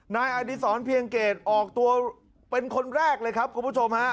นายอดีศรเพียงเกตออกตัวเป็นคนแรกเลยครับคุณผู้ชมฮะ